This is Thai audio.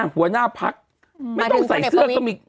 หัวหน้าพักไม่ต้องใส่เสื้อก็มี